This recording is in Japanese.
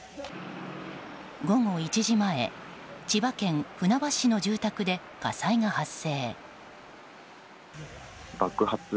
午後１時前千葉県船橋市の住宅で火災が発生。